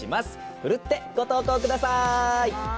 奮って、ご投稿ください。